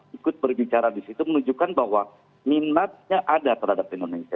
ikut berbicara di situ menunjukkan bahwa minatnya ada terhadap indonesia